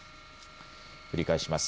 繰り返します。